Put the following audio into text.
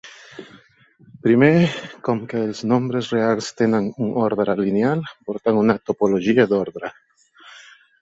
Primer, com que els nombres reals tenen un ordre lineal, porten una topologia d'ordre.